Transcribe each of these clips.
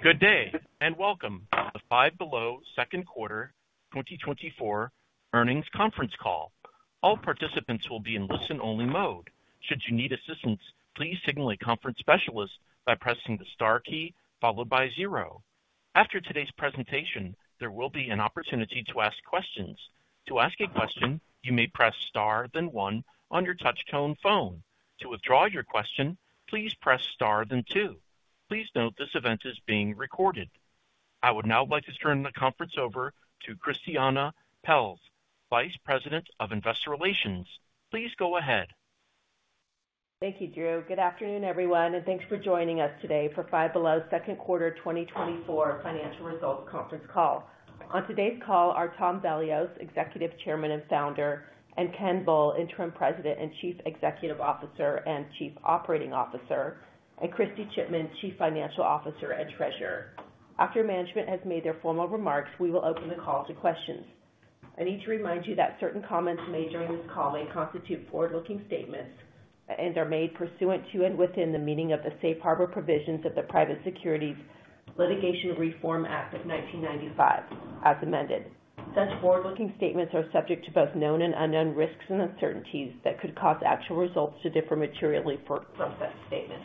Good day, and welcome to the Five Below Second Quarter Twenty Twenty-Four Earnings Conference Call. All participants will be in listen-only mode. Should you need assistance, please signal a conference specialist by pressing the star key followed by zero. After today's presentation, there will be an opportunity to ask questions. To ask a question, you may press Star, then one on your touchtone phone. To withdraw your question, please press Star, then two. Please note, this event is being recorded. I would now like to turn the conference over to Christiane Pelz, Vice President of Investor Relations. Please go ahead. Thank you, Drew. Good afternoon, everyone, and thanks for joining us today for Five Below Second Quarter Twenty Twenty-Four Financial Results conference call. On today's call are Tom Vellios, Executive Chairman and Founder, and Ken Bull, Interim President and Chief Executive Officer and Chief Operating Officer, and Kristy Chipman, Chief Financial Officer and Treasurer. After management has made their formal remarks, we will open the call to questions. I need to remind you that certain comments made during this call may constitute forward-looking statements, and are made pursuant to and within the meaning of the Safe Harbor Provisions of the Private Securities Litigation Reform Act of 1995, as amended. Such forward-looking statements are subject to both known and unknown risks and uncertainties that could cause actual results to differ materially from such statements.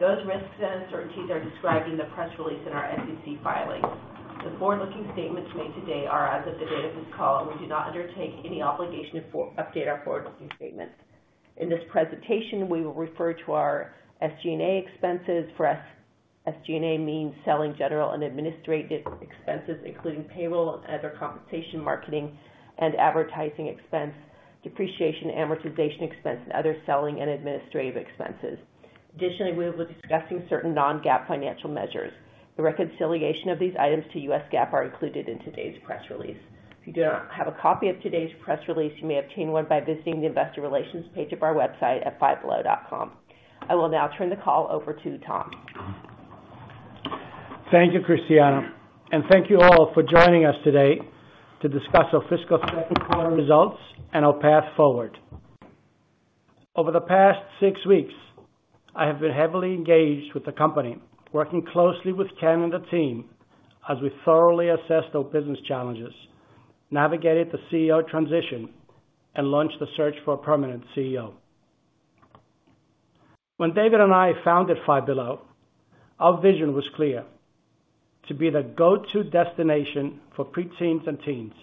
Those risks and uncertainties are described in the press release in our SEC filings. The forward-looking statements made today are as of the date of this call, and we do not undertake any obligation to update our forward-looking statements. In this presentation, we will refer to our SG&A expenses. For us, SG&A means selling, general, and administrative expenses, including payroll and other compensation, marketing and advertising expense, depreciation, amortization expense, and other selling and administrative expenses. Additionally, we will be discussing certain non-GAAP financial measures. The reconciliation of these items to US GAAP are included in today's press release. If you do not have a copy of today's press release, you may obtain one by visiting the investor relations page of our website at fivebelow.com. I will now turn the call over to Tom. Thank you, Christiana, and thank you all for joining us today to discuss our fiscal second quarter results and our path forward. Over the past six weeks, I have been heavily engaged with the company, working closely with Ken and the team as we thoroughly assessed our business challenges, navigated the CEO transition, and launched the search for a permanent CEO. When David and I founded Five Below, our vision was clear: to be the go-to destination for preteens and teens,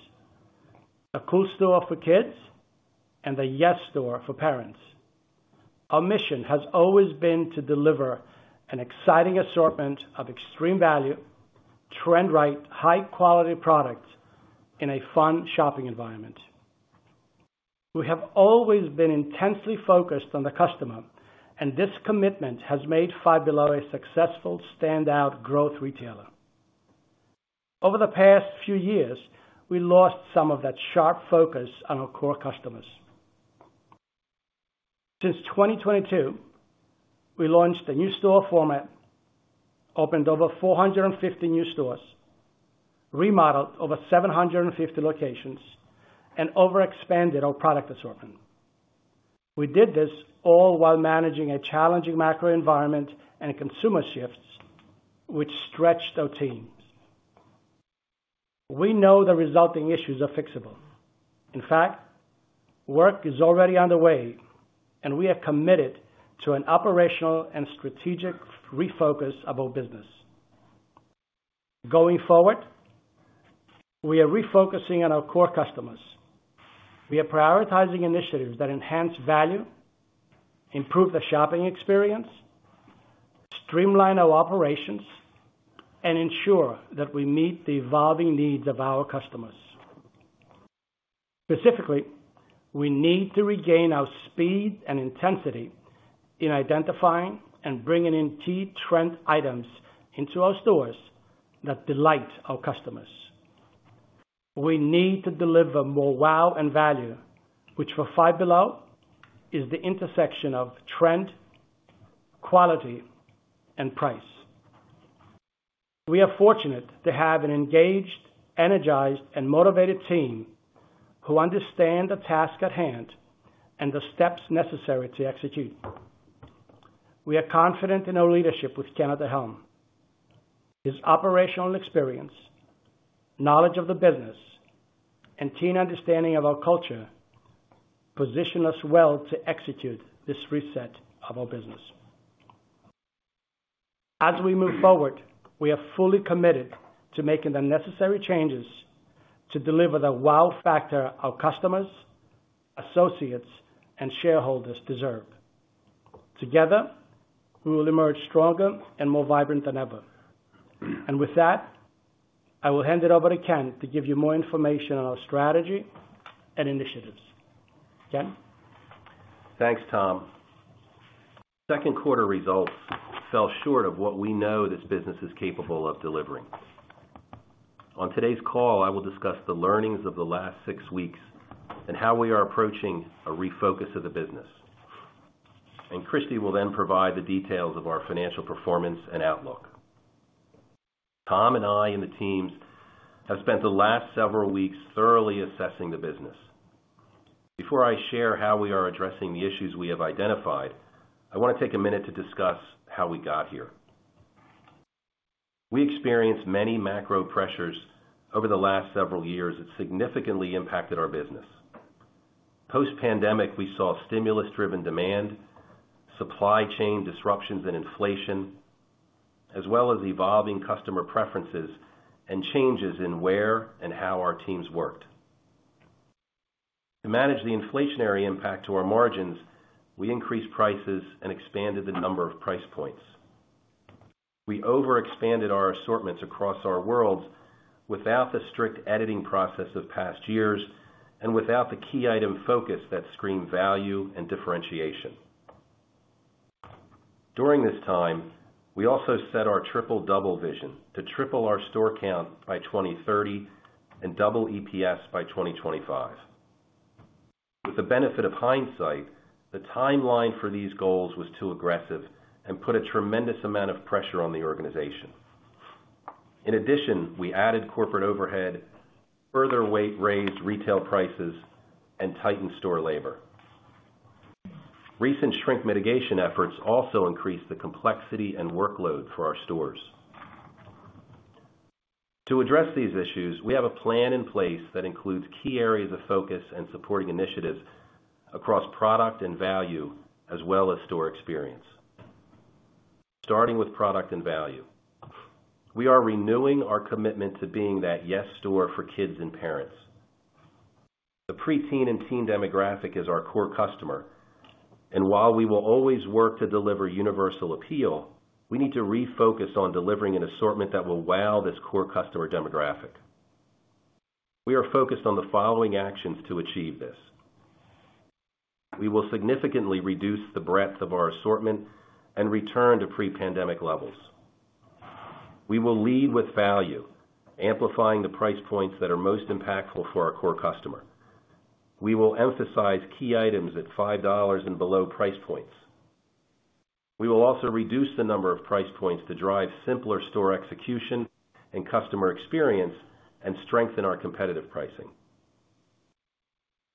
a cool store for kids, and a yes store for parents. Our mission has always been to deliver an exciting assortment of extreme value, trend-right, high-quality products in a fun shopping environment. We have always been intensely focused on the customer, and this commitment has made Five Below a successful standout growth retailer. Over the past few years, we lost some of that sharp focus on our core customers. Since 2022, we launched a new store format, opened over 450 new stores, remodeled over 750 locations, and overexpanded our product assortment. We did this all while managing a challenging macro environment and consumer shifts, which stretched our teams. We know the resulting issues are fixable. In fact, work is already underway, and we are committed to an operational and strategic refocus of our business. Going forward, we are refocusing on our core customers. We are prioritizing initiatives that enhance value, improve the shopping experience, streamline our operations, and ensure that we meet the evolving needs of our customers. Specifically, we need to regain our speed and intensity in identifying and bringing in key trend items into our stores that delight our customers. We need to deliver more wow and value, which for Five Below, is the intersection of trend, quality, and price. We are fortunate to have an engaged, energized, and motivated team who understand the task at hand and the steps necessary to execute. We are confident in our leadership with Ken at the helm. His operational experience, knowledge of the business, and keen understanding of our culture, position us well to execute this reset of our business. As we move forward, we are fully committed to making the necessary changes to deliver the wow factor our customers, associates, and shareholders deserve. Together, we will emerge stronger and more vibrant than ever. And with that, I will hand it over to Ken to give you more information on our strategy and initiatives. Ken? Thanks, Tom. Second quarter results fell short of what we know this business is capable of delivering. On today's call, I will discuss the learnings of the last six weeks and how we are approaching a refocus of the business, and Kristy will then provide the details of our financial performance and outlook. Tom and I, and the teams, have spent the last several weeks thoroughly assessing the business... Before I share how we are addressing the issues we have identified, I want to take a minute to discuss how we got here. We experienced many macro pressures over the last several years that significantly impacted our business. post-pandemic, we saw stimulus-driven demand, supply chain disruptions and inflation, as well as evolving customer preferences and changes in where and how our teams worked. To manage the inflationary impact to our margins, we increased prices and expanded the number of price points. We overexpanded our assortments across our worlds without the strict editing process of past years and without the key item focus that screened value and differentiation. During this time, we also set our Triple-Double Vision to triple our store count by 2030 and double EPS by 2025. With the benefit of hindsight, the timeline for these goals was too aggressive and put a tremendous amount of pressure on the organization. In addition, we added corporate overhead, further raised retail prices, and tightened store labor. Recent shrink mitigation efforts also increased the complexity and workload for our stores. To address these issues, we have a plan in place that includes key areas of focus and supporting initiatives across product and value, as well as store experience. Starting with product and value, we are renewing our commitment to being that yes store for kids and parents. The preteen and teen demographic is our core customer, and while we will always work to deliver universal appeal, we need to refocus on delivering an assortment that will wow this core customer demographic. We are focused on the following actions to achieve this: We will significantly reduce the breadth of our assortment and return to pre-pandemic levels. We will lead with value, amplifying the price points that are most impactful for our core customer. We will emphasize key items at five dollars and below price points. We will also reduce the number of price points to drive simpler store execution and customer experience and strengthen our competitive pricing.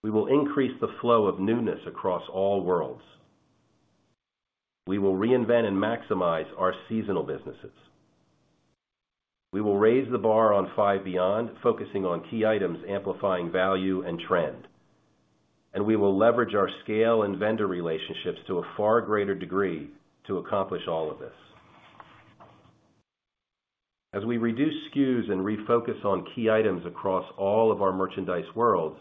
We will increase the flow of newness across all worlds. We will reinvent and maximize our seasonal businesses. We will raise the bar on Five Beyond, focusing on key items, amplifying value and trend, and we will leverage our scale and vendor relationships to a far greater degree to accomplish all of this. As we reduce SKUs and refocus on key items across all of our merchandise worlds,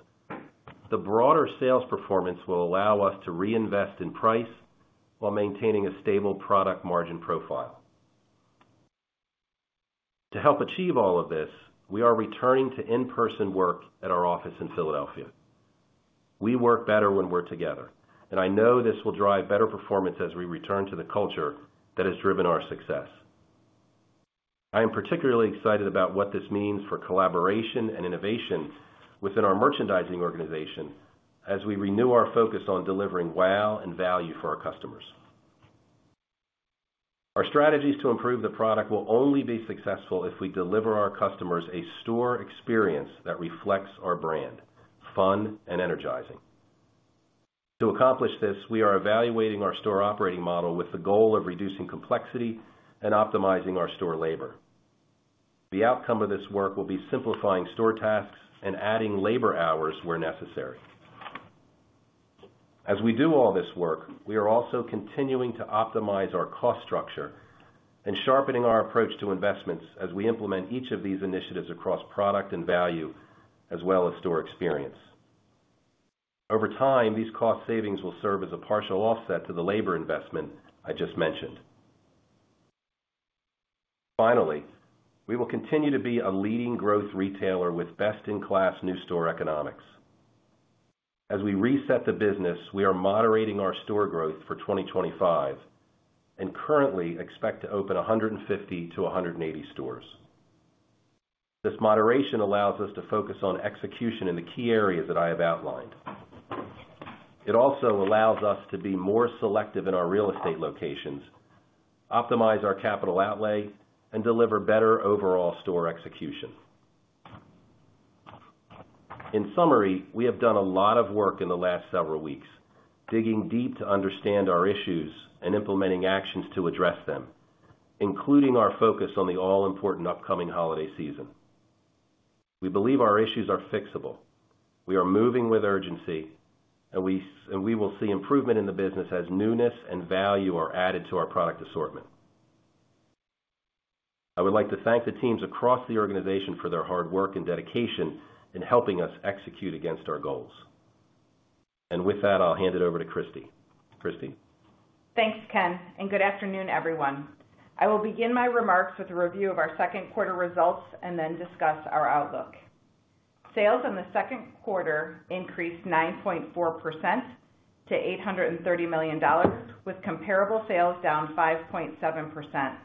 the broader sales performance will allow us to reinvest in price while maintaining a stable product margin profile. To help achieve all of this, we are returning to in-person work at our office in Philadelphia. We work better when we're together, and I know this will drive better performance as we return to the culture that has driven our success. I am particularly excited about what this means for collaboration and innovation within our merchandising organization as we renew our focus on delivering wow and value for our customers. Our strategies to improve the product will only be successful if we deliver our customers a store experience that reflects our brand, fun and energizing. To accomplish this, we are evaluating our store operating model with the goal of reducing complexity and optimizing our store labor. The outcome of this work will be simplifying store tasks and adding labor hours where necessary. As we do all this work, we are also continuing to optimize our cost structure and sharpening our approach to investments as we implement each of these initiatives across product and value, as well as store experience. Over time, these cost savings will serve as a partial offset to the labor investment I just mentioned. Finally, we will continue to be a leading growth retailer with best-in-class new store economics. As we reset the business, we are moderating our store growth for 2025 and currently expect to open 150 to 180 stores. This moderation allows us to focus on execution in the key areas that I have outlined. It also allows us to be more selective in our real estate locations, optimize our capital outlay, and deliver better overall store execution. In summary, we have done a lot of work in the last several weeks, digging deep to understand our issues and implementing actions to address them, including our focus on the all-important upcoming holiday season. We believe our issues are fixable. We are moving with urgency, and we will see improvement in the business as newness and value are added to our product assortment. I would like to thank the teams across the organization for their hard work and dedication in helping us execute against our goals. And with that, I'll hand it over to Kristy. Kristy? Thanks, Ken, and good afternoon, everyone. I will begin my remarks with a review of our second quarter results and then discuss our outlook. Sales in the second quarter increased 9.4% to $830 million, with comparable sales down 5.7%,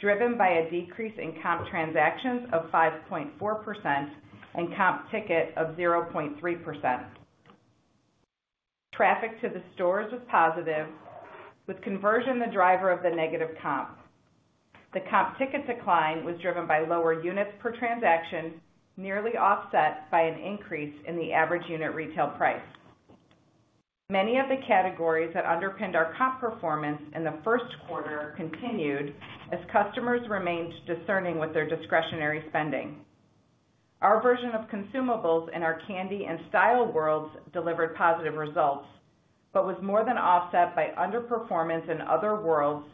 driven by a decrease in comp transactions of 5.4% and comp ticket of 0.3%.... Traffic to the stores was positive, with conversion the driver of the negative comp. The comp ticket decline was driven by lower units per transaction, nearly offset by an increase in the average unit retail price. Many of the categories that underpinned our comp performance in the first quarter continued as customers remained discerning with their discretionary spending. Our version of consumables in our Candy and Style worlds delivered positive results, but was more than offset by underperformance in other worlds,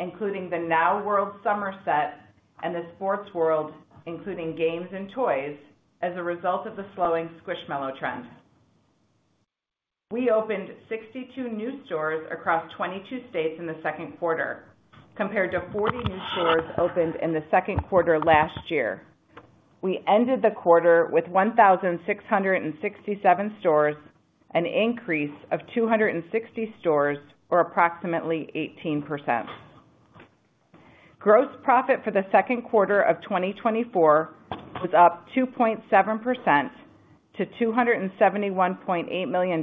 including the Now World Summer Set and the Sports World, including games and toys, as a result of the slowing Squishmallow trend. We opened 62 new stores across 22 states in the second quarter, compared to 40 new stores opened in the second quarter last year. We ended the quarter with 1,667 stores, an increase of 260 stores, or approximately 18%. Gross profit for the second quarter of 2024 was up 2.7% to $271.8 million.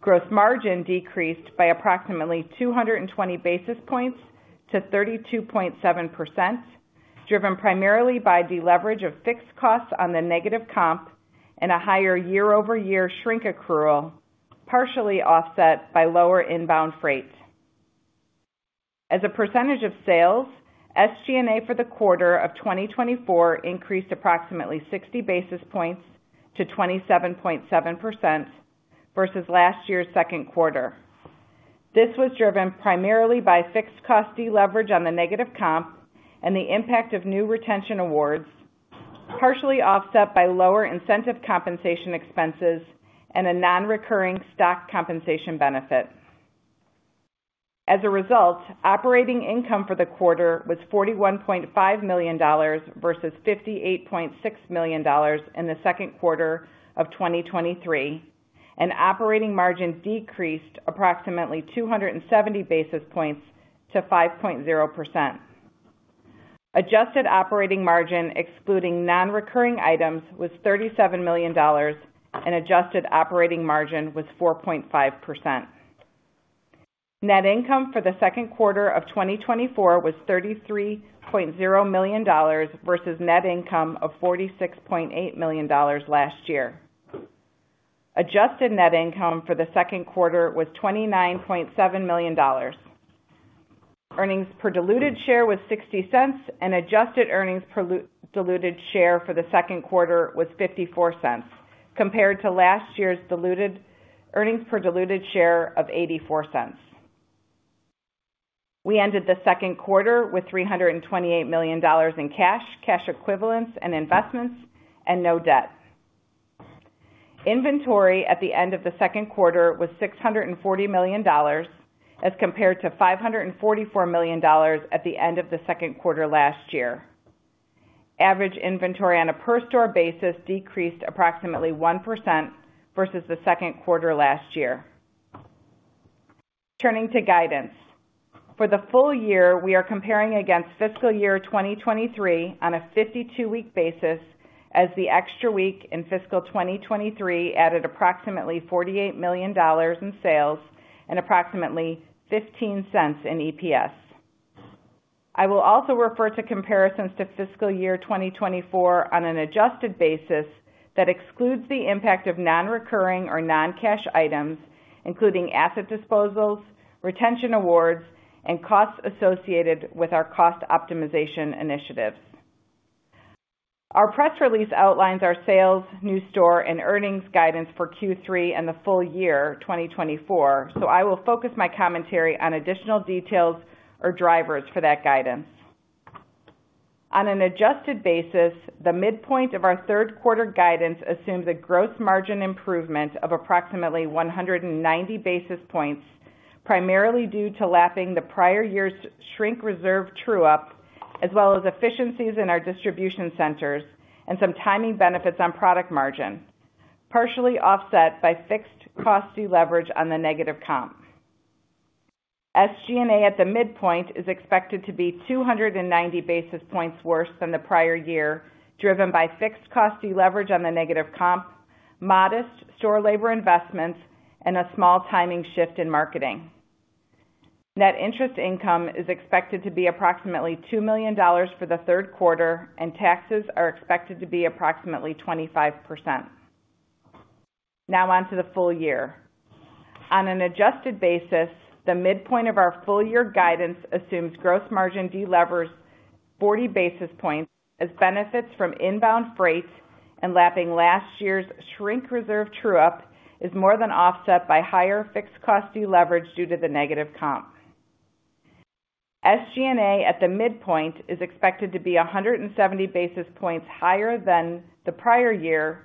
Gross margin decreased by approximately 220 basis points to 32.7%, driven primarily by deleverage of fixed costs on the negative comp and a higher year-over-year shrink accrual, partially offset by lower inbound freight. As a percentage of sales, SG&A for the quarter of 2024 increased approximately 60 basis points to 27.7% versus last year's second quarter. This was driven primarily by fixed cost deleverage on the negative comp and the impact of new retention awards, partially offset by lower incentive compensation expenses and a non-recurring stock compensation benefit. As a result, operating income for the quarter was $41.5 million versus $58.6 million in the second quarter of 2023, and operating margin decreased approximately 270 basis points to 5.0%. Adjusted operating margin, excluding non-recurring items, was $37 million, and adjusted operating margin was 4.5%. Net income for the second quarter of 2024 was $33.0 million versus net income of $46.8 million last year. Adjusted net income for the second quarter was $29.7 million. Earnings per diluted share was $0.60, and adjusted earnings per diluted share for the second quarter was $0.54, compared to last year's diluted earnings per diluted share of $0.84. We ended the second quarter with $328 million in cash, cash equivalents, and investments, and no debt. Inventory at the end of the second quarter was $640 million, as compared to $544 million at the end of the second quarter last year. Average inventory on a per store basis decreased approximately 1% versus the second quarter last year. Turning to guidance. For the full year, we are comparing against fiscal year 2023 on a 52-week basis, as the extra week in fiscal year 2023 added approximately $48 million in sales and approximately $0.15 in EPS. I will also refer to comparisons to fiscal year 2024 on an adjusted basis that excludes the impact of non-recurring or non-cash items, including asset disposals, retention awards, and costs associated with our cost optimization initiatives. Our press release outlines our sales, new store, and earnings guidance for Q3 and the full year 2024, so I will focus my commentary on additional details or drivers for that guidance. On an adjusted basis, the midpoint of our third quarter guidance assumes a gross margin improvement of approximately 190 basis points, primarily due to lapping the prior year's shrink reserve true-up, as well as efficiencies in our distribution centers and some timing benefits on product margin, partially offset by fixed cost deleverage on the negative comp. SG&A at the midpoint is expected to be 290 basis points worse than the prior year, driven by fixed cost deleverage on the negative comp, modest store labor investments, and a small timing shift in marketing. Net interest income is expected to be approximately $2 million for the third quarter, and taxes are expected to be approximately 25%. Now, on to the full year. On an adjusted basis, the midpoint of our full year guidance assumes gross margin delevers 40 basis points, as benefits from inbound freight and lapping last year's shrink reserve true-up is more than offset by higher fixed cost deleverage due to the negative comp. SG&A at the midpoint is expected to be 170 basis points higher than the prior year,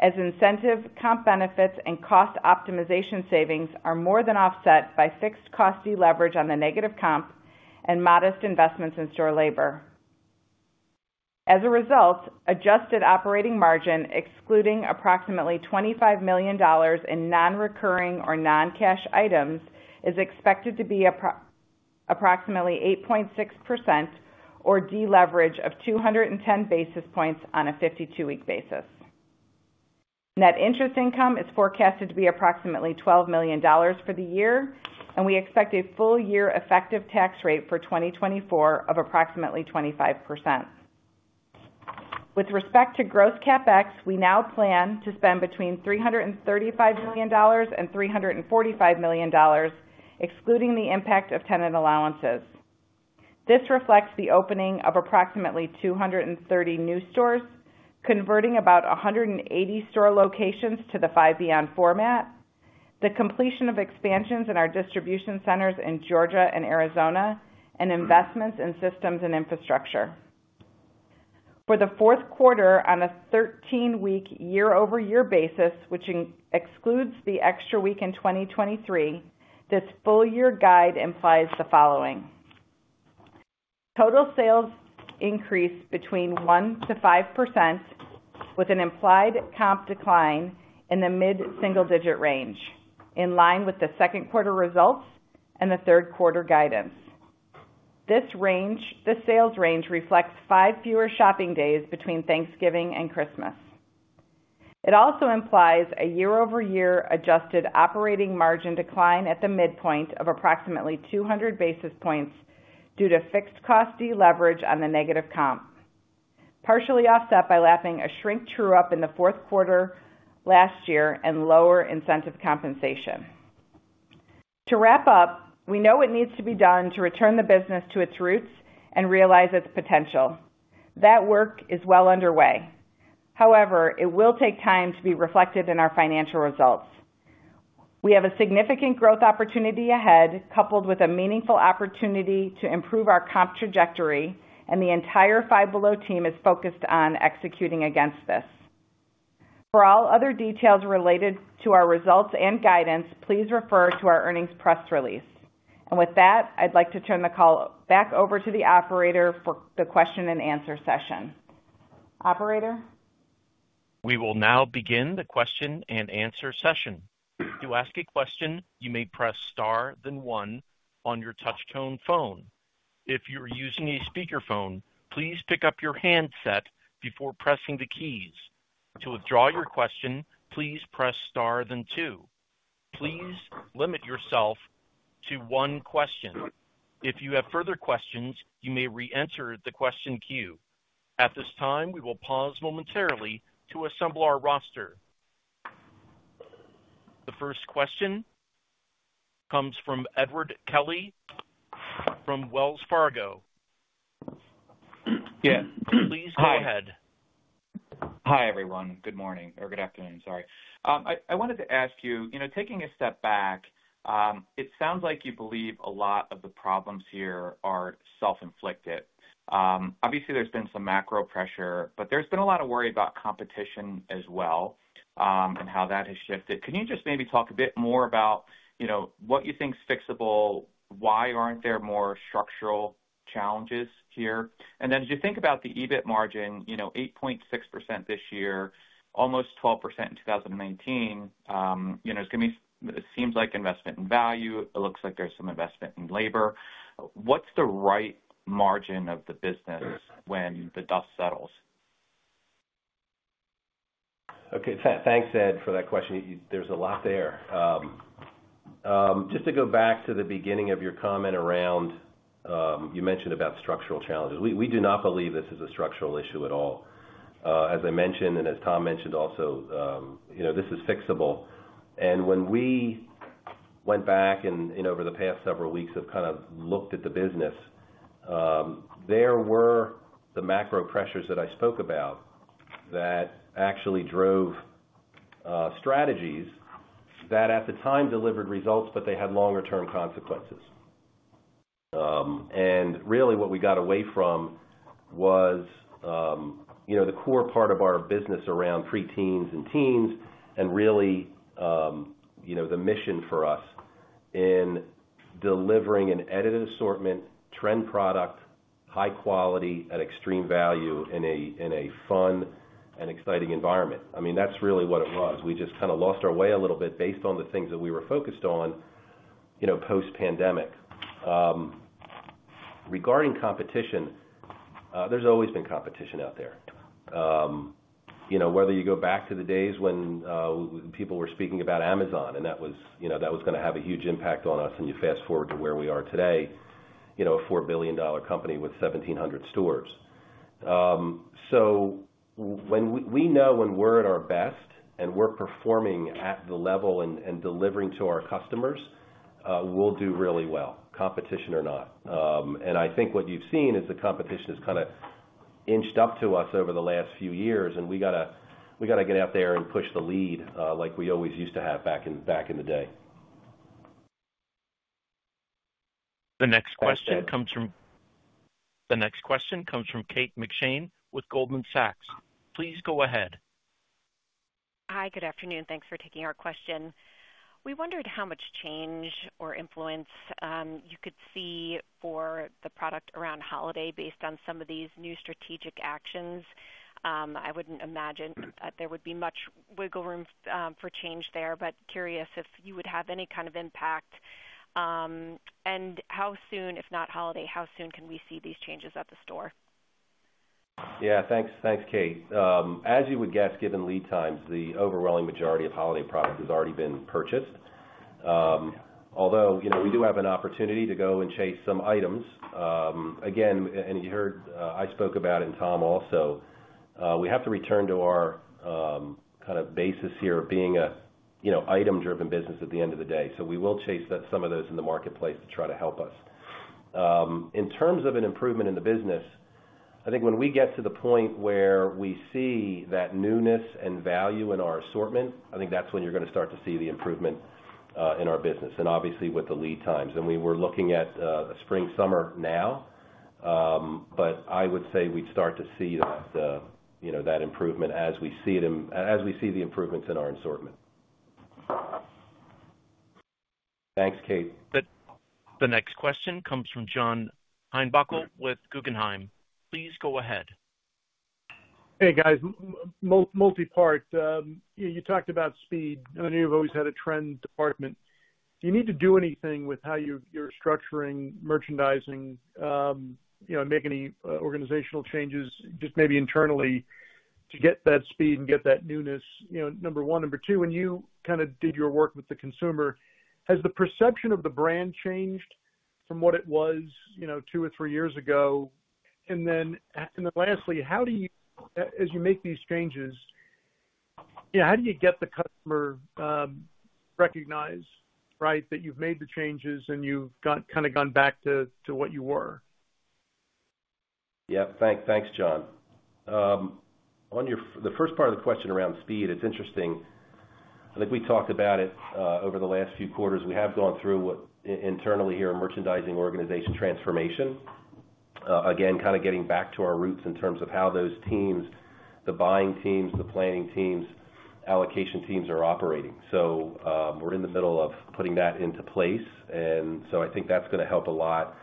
as incentive comp benefits and cost optimization savings are more than offset by fixed cost deleverage on the negative comp and modest investments in store labor. As a result, adjusted operating margin, excluding approximately $25 million in non-recurring or non-cash items, is expected to be approximately 8.6% or deleverage of 210 basis points on a 52-week basis. Net interest income is forecasted to be approximately $12 million for the year, and we expect a full year effective tax rate for 2024 of approximately 25%. With respect to gross CapEx, we now plan to spend between $335 million and $345 million, excluding the impact of tenant allowances. This reflects the opening of approximately 230 new stores, converting about 180 store locations to the Five Beyond format, the completion of expansions in our distribution centers in Georgia and Arizona, and investments in systems and infrastructure. For the fourth quarter on a 13-week, year-over-year basis, which excludes the extra week in 2023, this full year guide implies the following: total sales increase between 1% to 5%, with an implied comp decline in the mid-single digit range, in line with the second quarter results and the third quarter guidance. This sales range reflects five fewer shopping days between Thanksgiving and Christmas. It also implies a year-over-year adjusted operating margin decline at the midpoint of approximately 200 basis points due to fixed cost deleverage on the negative comp, partially offset by lapping a shrink true up in the fourth quarter last year and lower incentive compensation. To wrap up, we know what needs to be done to return the business to its roots and realize its potential. That work is well underway. However, it will take time to be reflected in our financial results. We have a significant growth opportunity ahead, coupled with a meaningful opportunity to improve our comp trajectory, and the entire Five Below team is focused on executing against this. For all other details related to our results and guidance, please refer to our earnings press release. And with that, I'd like to turn the call back over to the operator for the question and answer session. Operator? We will now begin the question and answer session. To ask a question, you may press Star, then one on your touch tone phone. If you are using a speakerphone, please pick up your handset before pressing the keys. To withdraw your question, please press Star then two. Please limit yourself to one question. If you have further questions, you may reenter the question queue. At this time, we will pause momentarily to assemble our roster. The first question comes from Edward Kelly from Wells Fargo. Yeah. Please go ahead. Hi, everyone. Good morning, or good afternoon. Sorry. I wanted to ask you, you know, taking a step back, it sounds like you believe a lot of the problems here are self-inflicted. Obviously, there's been some macro pressure, but there's been a lot of worry about competition as well, and how that has shifted. Can you just maybe talk a bit more about, you know, what you think is fixable? Why aren't there more structural challenges here? And then as you think about the EBIT margin, you know, 8.6% this year, almost 12% in 2019, you know, it's gonna be. It seems like investment in value. It looks like there's some investment in labor. What's the right margin of the business when the dust settles? Okay, thanks, Ed, for that question. There's a lot there. Just to go back to the beginning of your comment around, you mentioned about structural challenges. We do not believe this is a structural issue at all. As I mentioned, and as Tom mentioned also, you know, this is fixable. And when we went back and over the past several weeks, have kind of looked at the business, there were the macro pressures that I spoke about that actually drove strategies that at the time delivered results, but they had longer term consequences. And really, what we got away from was, you know, the core part of our business around pre-teens and teens, and really, you know, the mission for us in delivering an edited assortment, trend product, high quality at extreme value in a fun and exciting environment. I mean, that's really what it was. We just kind of lost our way a little bit based on the things that we were focused on, you know, post-pandemic. Regarding competition, there's always been competition out there. You know, whether you go back to the days when people were speaking about Amazon, and that was, you know, that was gonna have a huge impact on us, and you fast forward to where we are today, you know, a $4 billion company with 1,700 stores. So, when we know when we're at our best and we're performing at the level and delivering to our customers, we'll do really well, competition or not, and I think what you've seen is the competition has kind of inched up to us over the last few years, and we gotta get out there and push the lead, like we always used to have back in the day. The next question comes from- Thanks, Ed. The next question comes from Kate McShane with Goldman Sachs. Please go ahead. Hi, good afternoon. Thanks for taking our question. We wondered how much change or influence, you could see for the product around holiday based on some of these new strategic actions. I wouldn't imagine that there would be much wiggle room, for change there, but curious if you would have any kind of impact, and how soon, if not holiday, how soon can we see these changes at the store?... Yeah, thanks, thanks, Kate. As you would guess, given lead times, the overwhelming majority of holiday product has already been purchased. Although, you know, we do have an opportunity to go and chase some items. Again, and you heard, I spoke about and Tom also, we have to return to our, kind of basis here of being a, you know, item-driven business at the end of the day. So we will chase that some of those in the marketplace to try to help us. In terms of an improvement in the business, I think when we get to the point where we see that newness and value in our assortment, I think that's when you're going to start to see the improvement, in our business and obviously, with the lead times. We were looking at spring, summer now, but I would say we'd start to see that, you know, that improvement as we see the improvements in our assortment. Thanks, Kate. The next question comes from John Heinbockel with Guggenheim. Please go ahead. Hey, guys. Multi-part. You talked about speed. I know you've always had a trend department. Do you need to do anything with how you're structuring merchandising, you know, and make any organizational changes, just maybe internally, to get that speed and get that newness, you know, number one? Number two, when you kind of did your work with the consumer, has the perception of the brand changed from what it was, you know, two or three years ago? And then lastly, how do you, as you make these changes, yeah, how do you get the customer recognize, right, that you've made the changes and you've got kind of gone back to what you were? Yeah. Thanks, John. On your... The first part of the question around speed, it's interesting. I think we talked about it over the last few quarters. We have gone through what internally here, a merchandising organization transformation. Again, kind of getting back to our roots in terms of how those teams, the buying teams, the planning teams, allocation teams are operating. So, we're in the middle of putting that into place, and so I think that's going to help a lot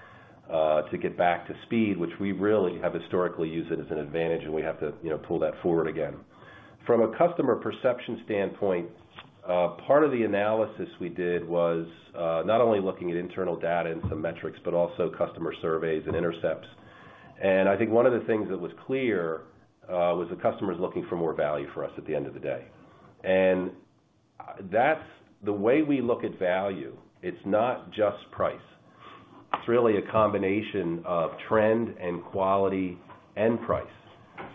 to get back to speed, which we really have historically used it as an advantage, and we have to, you know, pull that forward again. From a customer perception standpoint, part of the analysis we did was not only looking at internal data and some metrics, but also customer surveys and intercepts. I think one of the things that was clear was the customer's looking for more value for us at the end of the day. And that's the way we look at value, it's not just price. It's really a combination of trend and quality and price.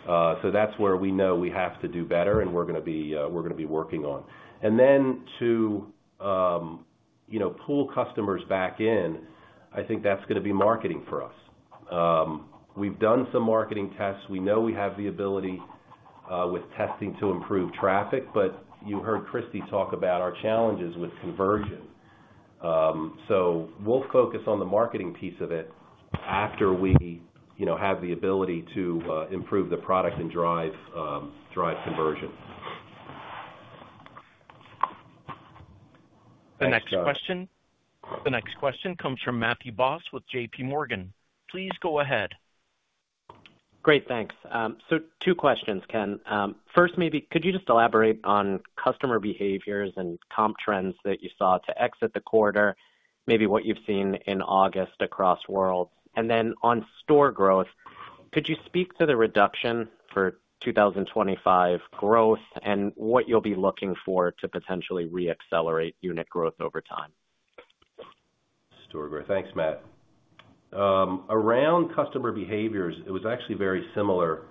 So that's where we know we have to do better, and we're gonna be working on. And then to you know, pull customers back in, I think that's gonna be marketing for us. We've done some marketing tests. We know we have the ability with testing to improve traffic, but you heard Kristy talk about our challenges with conversion. So we'll focus on the marketing piece of it after we you know, have the ability to improve the product and drive conversion. The next question, the next question comes from Matthew Boss with JP Morgan. Please go ahead. Great, thanks. So two questions, Ken. First, maybe could you just elaborate on customer behaviors and comp trends that you saw to exit the quarter, maybe what you've seen in August across worlds? And then on store growth, could you speak to the reduction for 2025 growth and what you'll be looking for to potentially reaccelerate unit growth over time? Store growth. Thanks, Matt. Around customer behaviors, it was actually very similar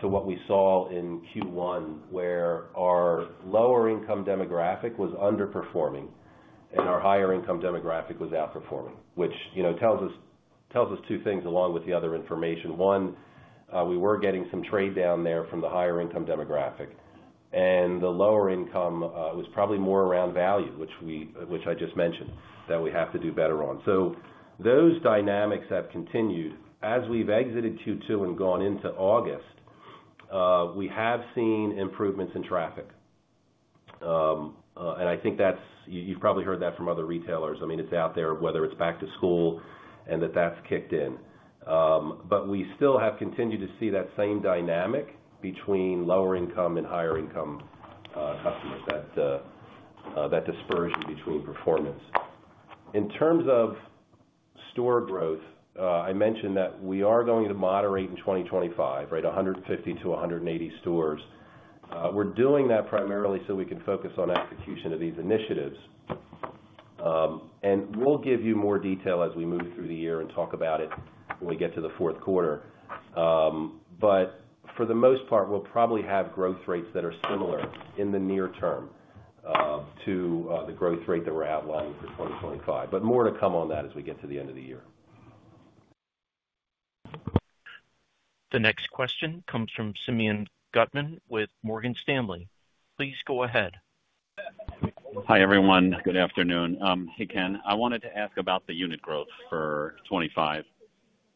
to what we saw in Q1, where our lower income demographic was underperforming and our higher income demographic was outperforming, which, you know, tells us two things along with the other information. One, we were getting some trade down there from the higher income demographic, and the lower income was probably more around value, which I just mentioned, that we have to do better on. So those dynamics have continued. As we've exited Q2 and gone into August, we have seen improvements in traffic. And I think that's. You've probably heard that from other retailers. I mean, it's out there, whether it's back to school and that's kicked in. But we still have continued to see that same dynamic between lower income and higher income customers, that dispersion between performance. In terms of store growth, I mentioned that we are going to moderate in 2025, right? 150-180 stores. We're doing that primarily so we can focus on execution of these initiatives, and we'll give you more detail as we move through the year and talk about it when we get to the fourth quarter. But for the most part, we'll probably have growth rates that are similar in the near term to the growth rate that we're outlining for 2025. But more to come on that as we get to the end of the year. The next question comes from Simeon Gutman with Morgan Stanley. Please go ahead. Hi, everyone. Good afternoon. Hey, Ken, I wanted to ask about the unit growth for 2025.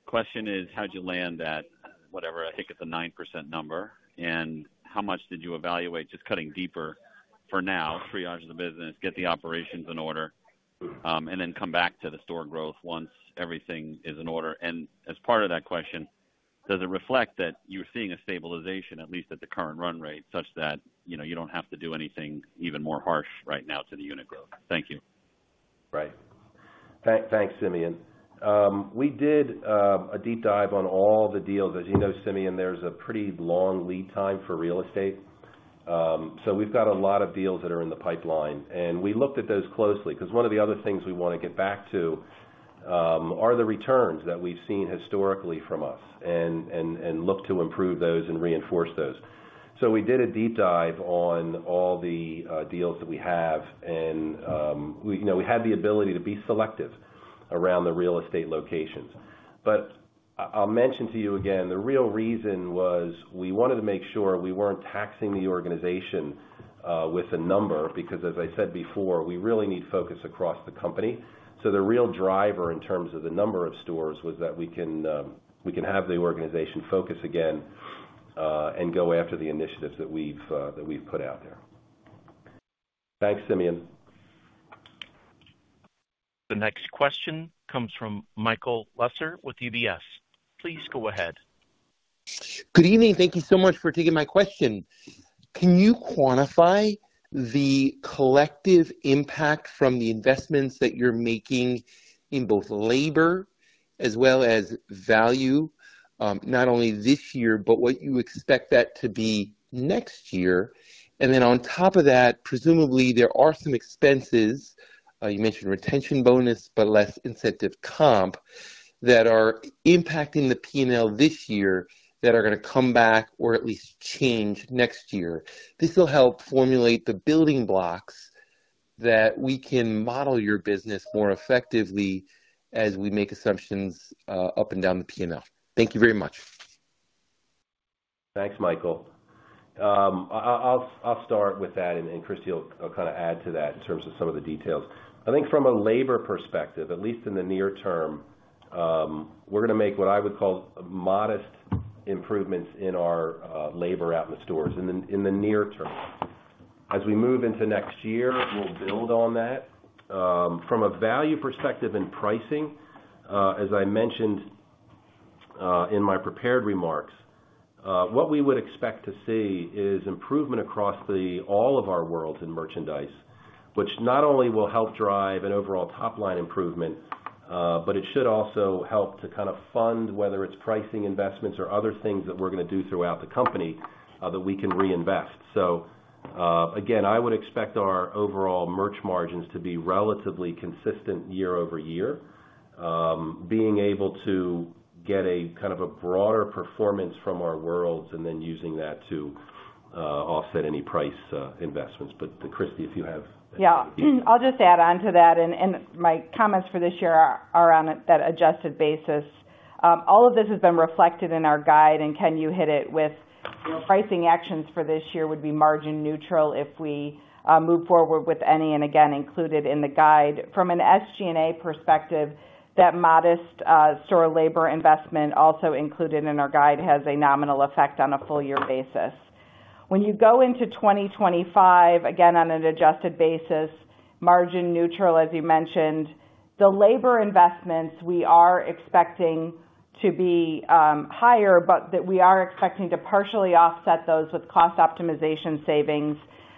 Question is, how'd you land that, whatever, I think it's a 9% number, and how much did you evaluate, just cutting deeper for now, triage the business, get the operations in order, and then come back to the store growth once everything is in order? And as part of that question, does it reflect that you're seeing a stabilization, at least at the current run rate, such that, you know, you don't have to do anything even more harsh right now to the unit growth? Thank you.... Right. Thanks, Simeon. We did a deep dive on all the deals. As you know, Simeon, there's a pretty long lead time for real estate. So we've got a lot of deals that are in the pipeline, and we looked at those closely because one of the other things we want to get back to are the returns that we've seen historically from us and look to improve those and reinforce those. So we did a deep dive on all the deals that we have, and, you know, we had the ability to be selective around the real estate locations. But I'll mention to you again, the real reason was we wanted to make sure we weren't taxing the organization with a number, because as I said before, we really need focus across the company. So the real driver in terms of the number of stores was that we can have the organization focus again, and go after the initiatives that we've put out there. Thanks, Simeon. The next question comes from Michael Lasser with UBS. Please go ahead. Good evening. Thank you so much for taking my question. Can you quantify the collective impact from the investments that you're making in both labor as well as value, not only this year, but what you expect that to be next year? And then on top of that, presumably, there are some expenses, you mentioned retention bonus, but less incentive comp, that are impacting the P&L this year that are going to come back or at least change next year. This will help formulate the building blocks that we can model your business more effectively as we make assumptions, up and down the P&L. Thank you very much. Thanks, Michael. I'll start with that, and Kristy will kind of add to that in terms of some of the details. I think from a labor perspective, at least in the near term, we're going to make what I would call modest improvements in our labor out in the stores in the near term. As we move into next year, we'll build on that. From a value perspective and pricing, as I mentioned in my prepared remarks, what we would expect to see is improvement across all of our worlds in merchandise, which not only will help drive an overall top-line improvement, but it should also help to kind of fund, whether it's pricing investments or other things that we're going to do throughout the company, that we can reinvest. So, again, I would expect our overall merch margins to be relatively consistent year over year, being able to get a kind of a broader performance from our worlds and then using that to offset any price investments. But, Kristy, if you have- Yeah, I'll just add on to that, and my comments for this year are on that adjusted basis. All of this has been reflected in our guide, and Ken, you hit it with, you know, pricing actions for this year would be margin neutral if we move forward with any, and again, included in the guide. From an SG&A perspective, that modest store labor investment, also included in our guide, has a nominal effect on a full year basis. When you go into twenty twenty-five, again, on an adjusted basis, margin neutral, as you mentioned, the labor investments, we are expecting to be higher, but that we are expecting to partially offset those with cost optimization savings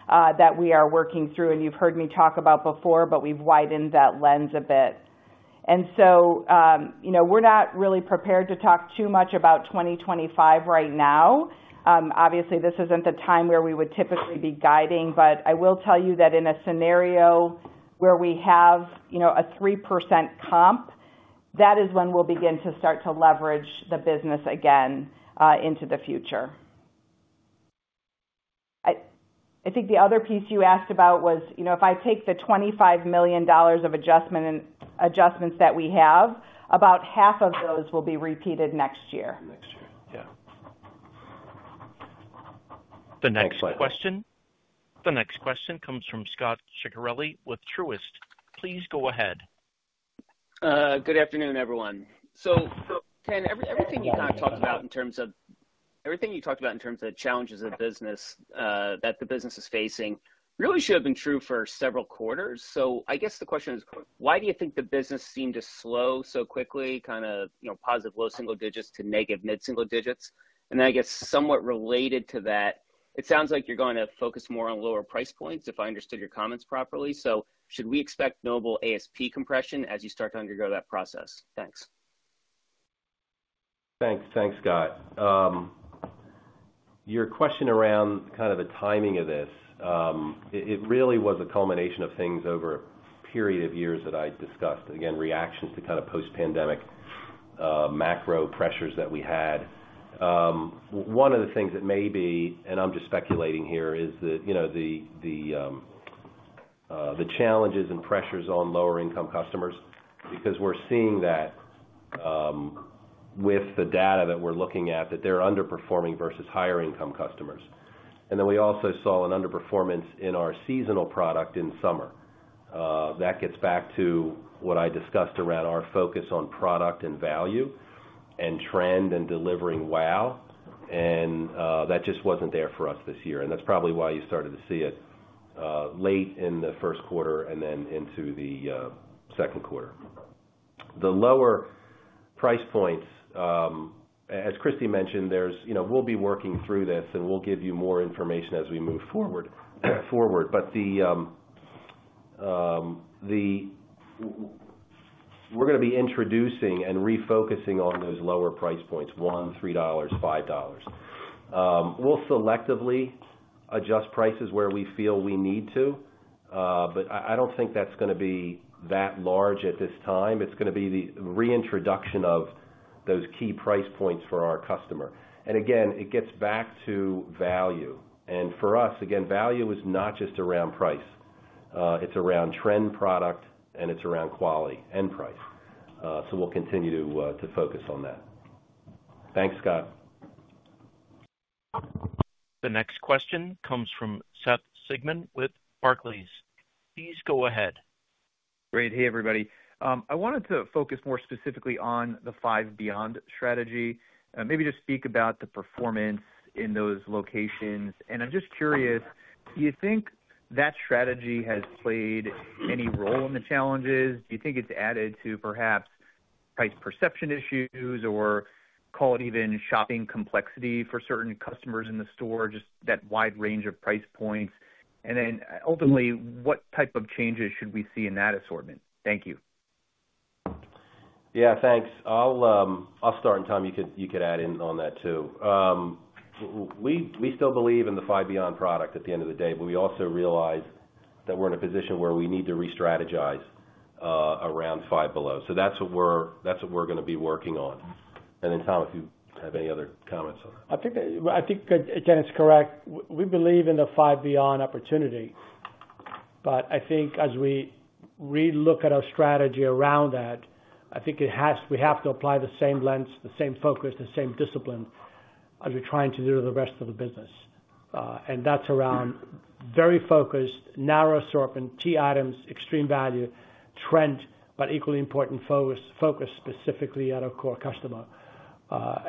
that we are working through. And you've heard me talk about before, but we've widened that lens a bit. And so, you know, we're not really prepared to talk too much about 2025 right now. Obviously, this isn't the time where we would typically be guiding, but I will tell you that in a scenario where we have, you know, a 3% comp, that is when we'll begin to start to leverage the business again into the future. I think the other piece you asked about was, you know, if I take the $25 million of adjustments that we have, about half of those will be repeated next year. Next year. Yeah. The next question- Thanks, Michael. The next question comes from Scott Ciccarelli with Truist. Please go ahead. Good afternoon, everyone. So, Ken, everything you talked about in terms of the challenges of business that the business is facing really should have been true for several quarters. So I guess the question is, why do you think the business seemed to slow so quickly, kind of, you know, positive low single digits to negative mid-single digits? And then I guess, somewhat related to that, it sounds like you're going to focus more on lower price points, if I understood your comments properly. So should we expect notable ASP compression as you start to undergo that process? Thanks. Thanks. Thanks, Scott. Your question around kind of the timing of this, it really was a culmination of things over a period of years that I discussed. Again, reactions to kind of post-pandemic macro pressures that we had. One of the things that may be, and I'm just speculating here, is that, you know, the challenges and pressures on lower-income customers, because we're seeing that with the data that we're looking at, that they're underperforming versus higher-income customers. And then we also saw an underperformance in our seasonal product in summer. That gets back to what I discussed around our focus on product and value and trend and delivering wow, and that just wasn't there for us this year, and that's probably why you started to see it late in the first quarter and then into the second quarter. The lower price points, as Kristy mentioned, there's, you know, we'll be working through this, and we'll give you more information as we move forward. But the, we're gonna be introducing and refocusing on those lower price points, $1, $3, $5. We'll selectively adjust prices where we feel we need to, but I don't think that's gonna be that large at this time. It's gonna be the reintroduction of those key price points for our customer. And again, it gets back to value. And for us, again, value is not just around price. It's around trend product, and it's around quality and price. So we'll continue to focus on that. Thanks, Scott. The next question comes from Seth Sigman with Barclays. Please go ahead. Great. Hey, everybody. I wanted to focus more specifically on the Five Beyond strategy. Maybe just speak about the performance in those locations, and I'm just curious, do you think that strategy has played any role in the challenges? Do you think it's added to perhaps price perception issues, or call it even shopping complexity for certain customers in the store, just that wide range of price points, and then, ultimately, what type of changes should we see in that assortment? Thank you. Yeah, thanks. I'll, I'll start, and Tom, you can add in on that, too. We still believe in the Five Beyond product at the end of the day, but we also realize that we're in a position where we need to restrategize around Five Below. So that's what we're gonna be working on. And then, Tom, if you have any other comments on that. I think, I think, again, it's correct. We believe in the Five Beyond opportunity, but I think as we relook at our strategy around that, I think it has, we have to apply the same lens, the same focus, the same discipline as we're trying to do with the rest of the business, and that's around very focused, narrow assortment, key items, extreme value, trend, but equally important, focus, focus specifically at our core customer,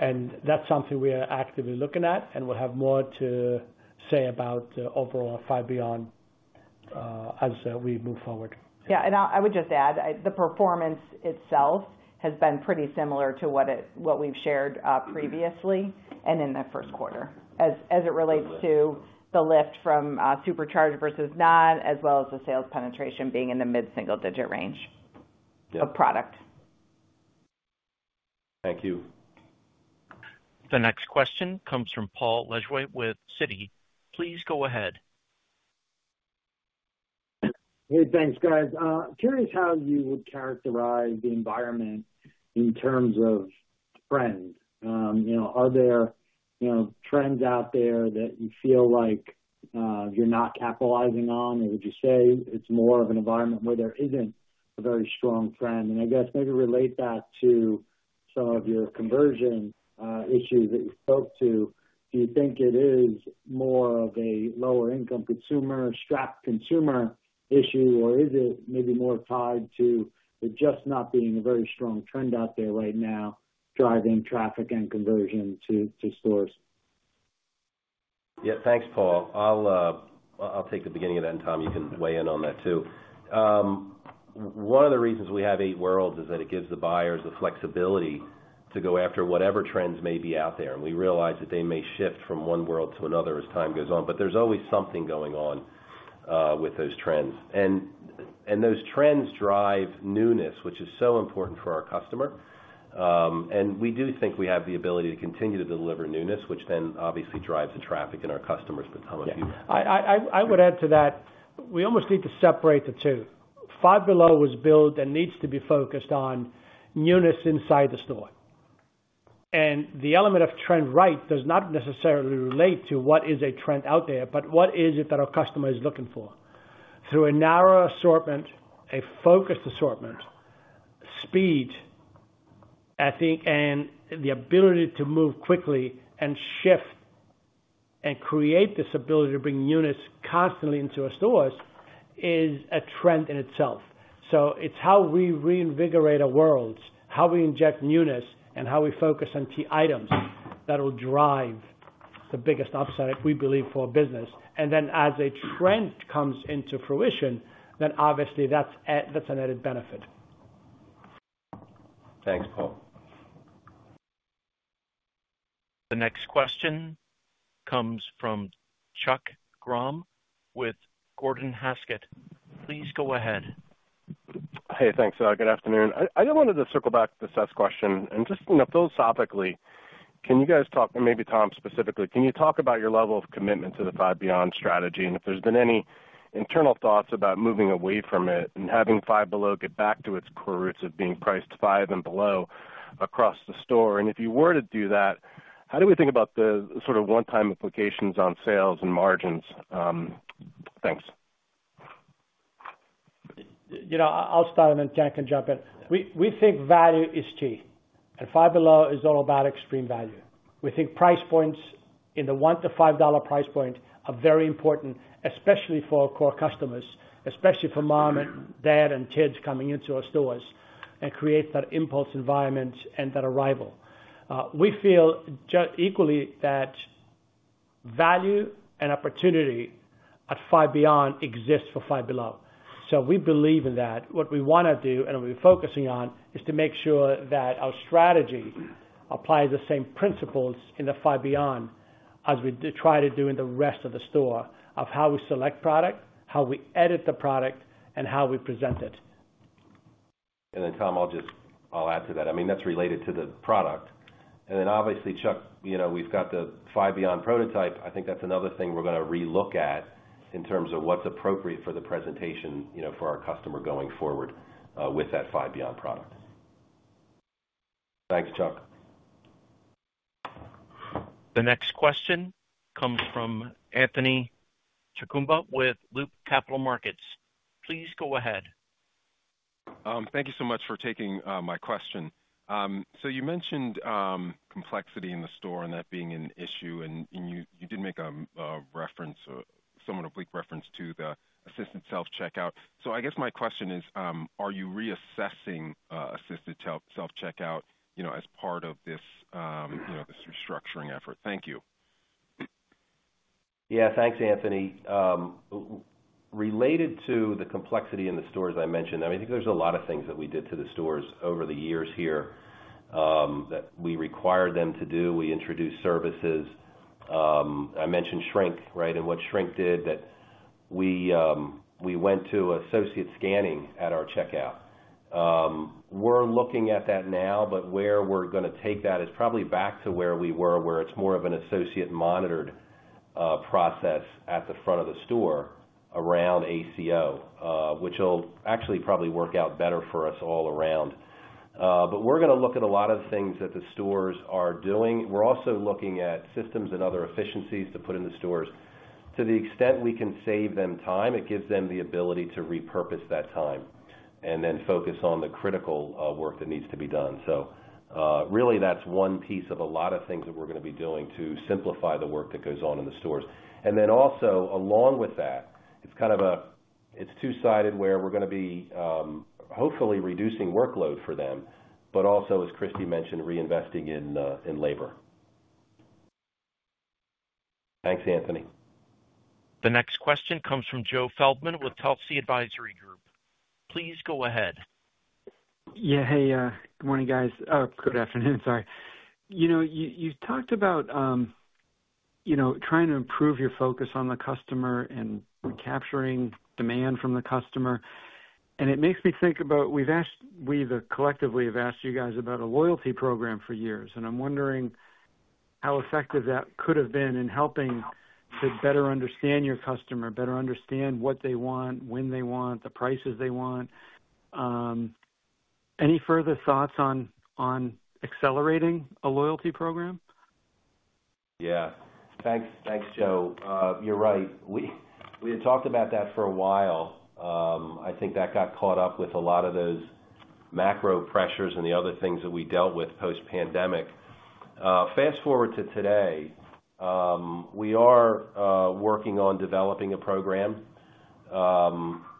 and that's something we are actively looking at, and we'll have more to say about overall Five Beyond, as we move forward. Yeah, and I would just add, the performance itself has been pretty similar to what we've shared previously and in the first quarter, as it relates to the lift from Supercharger versus non, as well as the sales penetration being in the mid-single digit range. Yeah... of product. Thank you. The next question comes from Paul Lejuez with Citi. Please go ahead. Hey, thanks, guys. Curious how you would characterize the environment in terms of trends. You know, are there, you know, trends out there that you feel like you're not capitalizing on, or would you say it's more of an environment where there isn't a very strong trend? And I guess maybe relate that to some of your conversion issues that you spoke to. Do you think it is more of a lower-income consumer, strapped consumer issue, or is it maybe more tied to there just not being a very strong trend out there right now, driving traffic and conversion to stores? Yeah. Thanks, Paul. I'll take the beginning of that, and, Tom, you can weigh in on that, too. One of the reasons we have Eight Worlds is that it gives the buyers the flexibility to go after whatever trends may be out there, and we realize that they may shift from one world to another as time goes on. But there's always something going on with those trends. And those trends drive newness, which is so important for our customer. And we do think we have the ability to continue to deliver newness, which then obviously drives the traffic in our customers. But Tom, if you- I would add to that, we almost need to separate the two. Five Below was built and needs to be focused on newness inside the store, and the element of trend right does not necessarily relate to what is a trend out there, but what is it that our customer is looking for? Through a narrow assortment, a focused assortment, speed, I think, and the ability to move quickly and shift and create this ability to bring newness constantly into our stores is a trend in itself. So it's how we reinvigorate our worlds, how we inject newness, and how we focus on key items that will drive the biggest upside, we believe, for our business, and then as a trend comes into fruition, then obviously that's an added benefit. Thanks, Paul. The next question comes from Chuck Grom with Gordon Haskett. Please go ahead. Hey, thanks. Good afternoon. I just wanted to circle back to Seth's question and just, you know, philosophically, can you guys talk, and maybe Tom, specifically, can you talk about your level of commitment to the Five Beyond strategy, and if there's been any internal thoughts about moving away from it and having Five Below get back to its core roots of being priced five and below across the store? And if you were to do that, how do we think about the sort of one-time implications on sales and margins? Thanks. You know, I'll start, and then Jack can jump in. We think value is key, and Five Below is all about extreme value. We think price points in the one to five dollar price point are very important, especially for our core customers, especially for mom and dad and kids coming into our stores and create that impulse environment and that arrival. We feel equally that value and opportunity at Five Beyond exists for Five Below. So we believe in that. What we want to do, and what we're focusing on, is to make sure that our strategy applies the same principles in the Five Beyond as we try to do in the rest of the store, of how we select product, how we edit the product, and how we present it. And then, Tom, I'll just add to that. I mean, that's related to the product. And then obviously, Chuck, you know, we've got the Five Beyond prototype. I think that's another thing we're going to relook at in terms of what's appropriate for the presentation, you know, for our customer going forward with that Five Beyond product. Thanks, Chuck. The next question comes from Anthony Chukumba with Loop Capital Markets. Please go ahead. Thank you so much for taking my question. So you mentioned complexity in the store and that being an issue, and you did make a reference or somewhat a weak reference to the assisted self-checkout. So I guess my question is, are you reassessing assisted self-checkout, you know, as part of this, you know, this restructuring effort? Thank you. Yeah, thanks, Anthony. Related to the complexity in the stores I mentioned, I mean, I think there's a lot of things that we did to the stores over the years here, that we required them to do. We introduced services. I mentioned shrink, right? And what shrink did, that we went to associate scanning at our checkout. We're looking at that now, but where we're going to take that is probably back to where we were, where it's more of an associate-monitored process at the front of the store around ACO, which will actually probably work out better for us all around. But we're going to look at a lot of things that the stores are doing. We're also looking at systems and other efficiencies to put in the stores. To the extent we can save them time, it gives them the ability to repurpose that time and then focus on the critical work that needs to be done. So, really, that's one piece of a lot of things that we're going to be doing to simplify the work that goes on in the stores. And then also, along with that, it's kind of two-sided, where we're going to be hopefully reducing workload for them, but also, as Kristy mentioned, reinvesting in labor. Thanks, Anthony. The next question comes from Joe Feldman with Telsey Advisory Group. Please go ahead. Yeah. Hey, good morning, guys. Good afternoon, sorry. You know, you talked about, you know, trying to improve your focus on the customer and capturing demand from the customer, and it makes me think about, we've collectively have asked you guys about a loyalty program for years, and I'm wondering how effective that could have been in helping to better understand your customer, better understand what they want, when they want, the prices they want. Any further thoughts on accelerating a loyalty program? Yeah. Thanks. Thanks, Joe. You're right. We had talked about that for a while. I think that got caught up with a lot of those macro pressures and the other things that we dealt with post-pandemic. Fast forward to today, we are working on developing a program.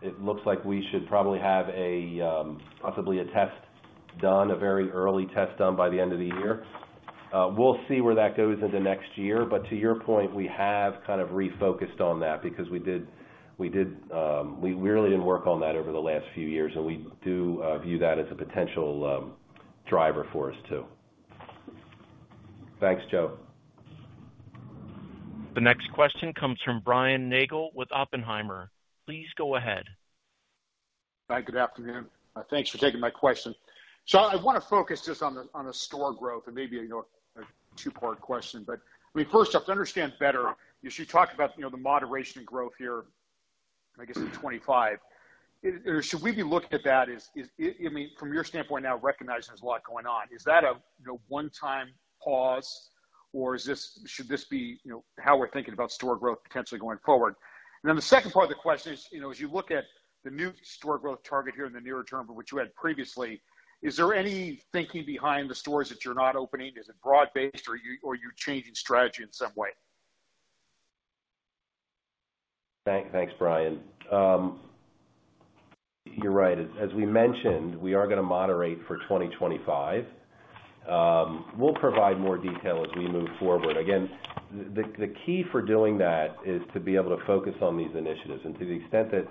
It looks like we should probably have a possibly a test done, a very early test done by the end of the year. We'll see where that goes into next year. But to your point, we have kind of refocused on that because we really didn't work on that over the last few years, and we do view that as a potential driver for us, too. Thanks, Joe. The next question comes from Brian Nagel with Oppenheimer. Please go ahead. Hi, good afternoon. Thanks for taking my question. I want to focus just on the store growth and maybe, you know, a two-part question. I mean, first, just to understand better, you should talk about, you know, the moderation in growth here, I guess, in 2025. Should we be looking at that as I mean, from your standpoint now, recognizing there's a lot going on, is that a, you know, one-time pause, or is this, should this be, you know, how we're thinking about store growth potentially going forward? And then the second part of the question is, you know, as you look at the new store growth target here in the nearer term, but which you had previously, is there any thinking behind the stores that you're not opening? Is it broad-based or you're changing strategy in some way? Thanks, Brian. You're right. As we mentioned, we are going to moderate for 2025. We'll provide more detail as we move forward. Again, the key for doing that is to be able to focus on these initiatives. And to the extent that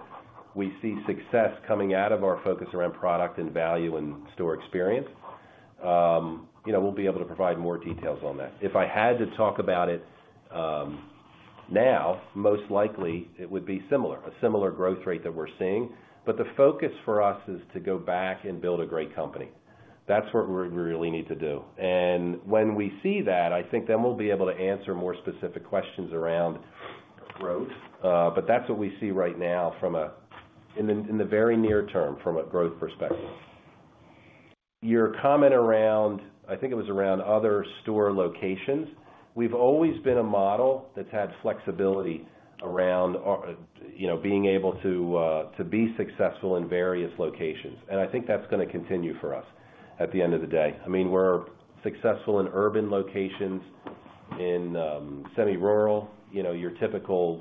we see success coming out of our focus around product and value and store experience, you know, we'll be able to provide more details on that. If I had to talk about it now, most likely it would be similar, a similar growth rate that we're seeing, but the focus for us is to go back and build a great company. That's what we really need to do. And when we see that, I think then we'll be able to answer more specific questions around growth. But that's what we see right now in the very near term, from a growth perspective. Your comment around, I think it was around other store locations, we've always been a model that's had flexibility around, you know, being able to be successful in various locations, and I think that's going to continue for us at the end of the day. I mean, we're successful in urban locations, in semi-rural, you know, your typical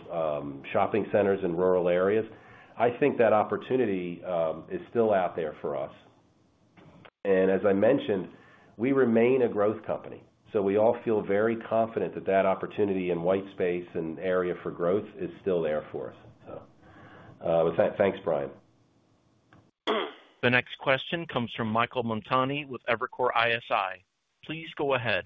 shopping centers in rural areas. I think that opportunity is still out there for us. And as I mentioned, we remain a growth company, so we all feel very confident that that opportunity in white space and area for growth is still there for us. So, with that, thanks, Brian. The next question comes from Michael Montani with Evercore ISI. Please go ahead.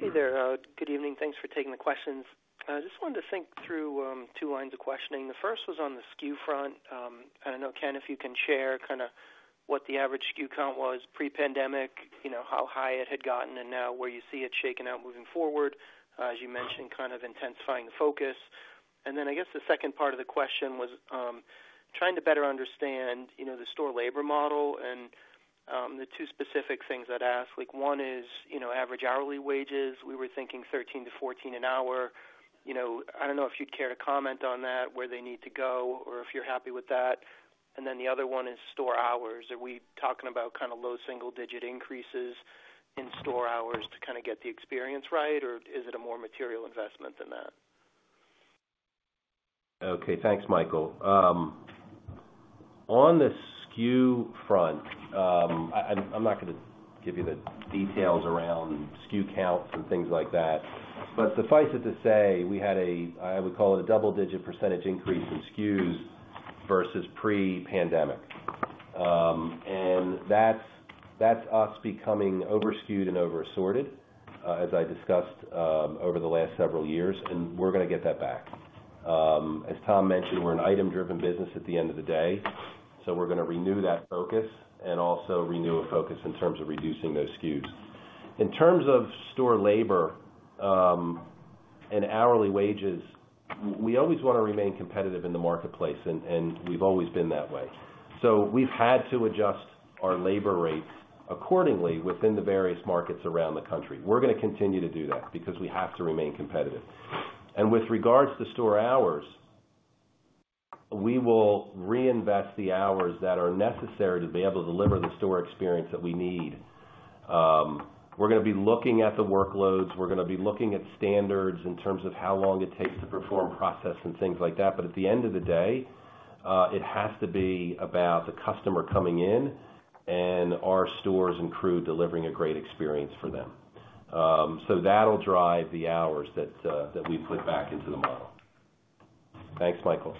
Hey there. Good evening. Thanks for taking the questions. I just wanted to think through two lines of questioning. The first was on the SKU front. I know, Ken, if you can share kind of what the average SKU count was pre-pandemic, you know, how high it had gotten and now where you see it shaking out moving forward, as you mentioned, kind of intensifying the focus. And then I guess the second part of the question was trying to better understand, you know, the store labor model and the two specific things I'd ask, like, one is, you know, average hourly wages. We were thinking $13-$14 an hour, you know. I don't know if you'd care to comment on that, where they need to go, or if you're happy with that. And then the other one is store hours. Are we talking about kind of low single digit increases in store hours to kind of get the experience right, or is it a more material investment than that? Okay, thanks, Michael. On the SKU front, I'm not going to give you the details around SKU counts and things like that, but suffice it to say, we had, I would call it a double-digit percentage increase in SKUs versus pre-pandemic, and that's us becoming over-SKUed and over-assorted, as I discussed over the last several years, and we're going to get that back. As Tom mentioned, we're an item-driven business at the end of the day, so we're going to renew that focus and also renew a focus in terms of reducing those SKUs. In terms of store labor and hourly wages, we always want to remain competitive in the marketplace, and we've always been that way, so we've had to adjust our labor rates accordingly within the various markets around the country. We're going to continue to do that because we have to remain competitive. And with regards to store hours, we will reinvest the hours that are necessary to be able to deliver the store experience that we need. We're going to be looking at the workloads. We're going to be looking at standards in terms of how long it takes to perform process and things like that. But at the end of the day, it has to be about the customer coming in and our stores and crew delivering a great experience for them. So that'll drive the hours that we put back into the model. Thanks, Michael.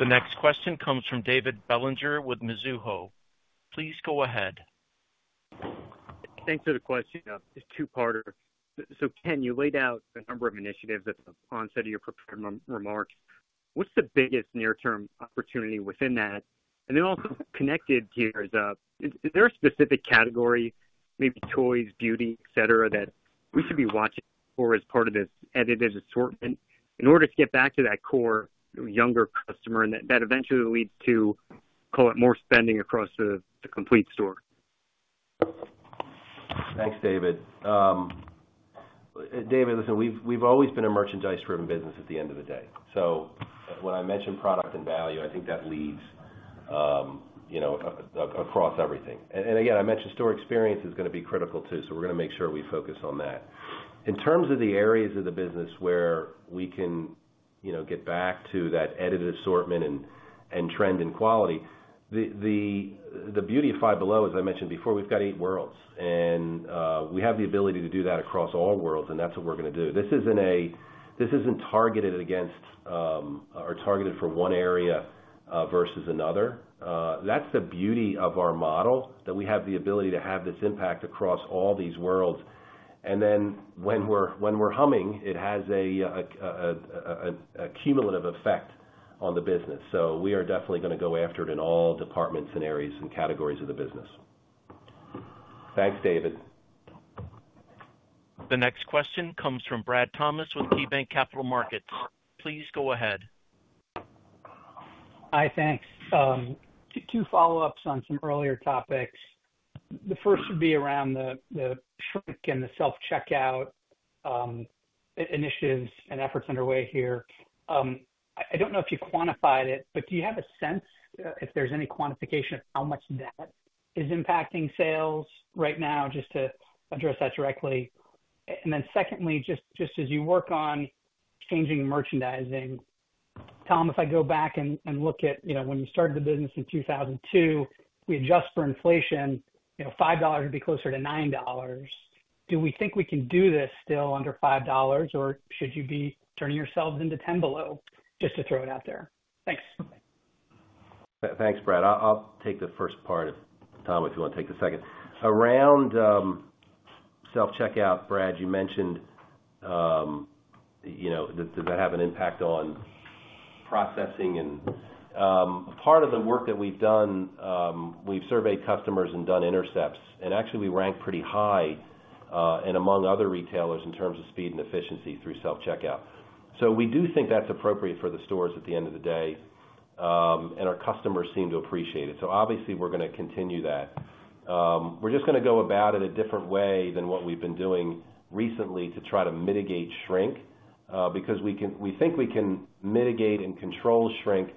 The next question comes from David Bellinger with Mizuho. Please go ahead. Thanks for the question. It's a two-parter. So Ken, you laid out a number of initiatives at the onset of your prepared remarks. What's the biggest near-term opportunity within that? And then also connected here is, is there a specific category, maybe toys, beauty, et cetera, that we should be watching for as part of this edited assortment in order to get back to that core younger customer, and that eventually leads to, call it, more spending across the, the complete store? Thanks, David. David, listen, we've always been a merchandise-driven business at the end of the day. So when I mention product and value, I think that leads, you know, across everything. And again, I mentioned store experience is going to be critical, too, so we're going to make sure we focus on that. In terms of the areas of the business where we can, you know, get back to that edited assortment and trend and quality, the beauty of Five Below, as I mentioned before, we've got Eight Worlds, and we have the ability to do that across all worlds, and that's what we're going to do. This isn't targeted against or targeted for one area versus another. That's the beauty of our model, that we have the ability to have this impact across all these worlds. And then when we're humming, it has a cumulative effect on the business. So we are definitely going to go after it in all departments and areas and categories of the business. Thanks, David. The next question comes from Brad Thomas with KeyBanc Capital Markets. Please go ahead. Hi, thanks. Two follow-ups on some earlier topics. The first would be around the shrink and the self-checkout initiatives and efforts underway here. I don't know if you quantified it, but do you have a sense if there's any quantification of how much that is impacting sales right now, just to address that directly? And then secondly, just as you work on changing merchandising, Tom, if I go back and look at, you know, when you started the business in 2002, we adjust for inflation, you know, five dollars would be closer to nine dollars. Do we think we can do this still under five dollars, or should you be turning yourselves into Ten Below? Just to throw it out there. Thanks. Thanks, Brad. I'll take the first part if, Tom, if you want to take the second. Around self-checkout, Brad, you mentioned you know, does that have an impact on processing? And part of the work that we've done, we've surveyed customers and done intercepts, and actually, we rank pretty high and among other retailers in terms of speed and efficiency through self-checkout. So we do think that's appropriate for the stores at the end of the day, and our customers seem to appreciate it. So obviously, we're going to continue that. We're just going to go about it a different way than what we've been doing recently to try to mitigate shrink, because we think we can mitigate and control shrink